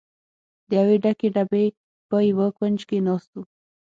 د یوې ډکې ډبې په یوه کونج کې ناست و.